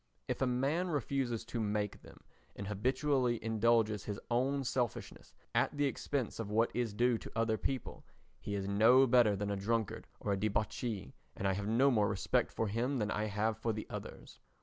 If a man refuses to make them and habitually indulges his own selfishness at the expense of what is due to other people, he is no better than a drunkard or a debauchee, and I have no more respect for him than I have for the others.